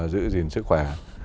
giữ gìn sức khỏe